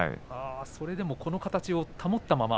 それでもこの形を保ったまま。